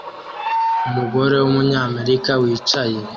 Umugabo wumunyamerika wicaye